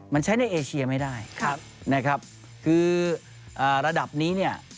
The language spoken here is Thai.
มันใช้ในเอเชียไม่ได้ครับนะครับคือระดับนี้เนี่ย